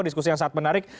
diskusi yang sangat menarik